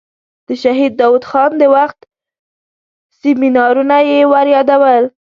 د شهید داود خان د وخت سیمینارونه یې وریادول.